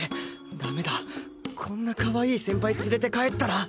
ダメだこんなかわいい先輩連れて帰ったら